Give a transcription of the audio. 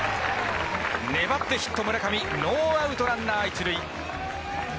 粘ってヒット、村上ノーアウトランナー１塁。